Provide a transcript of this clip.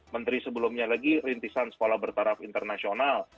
menteri sebelumnya lagi rintisan sekolah bertaraf internasional